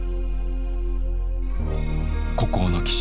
「孤高の棋士」